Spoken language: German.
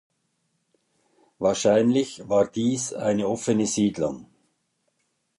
Wahrscheinlich war dies eine offene Siedlung.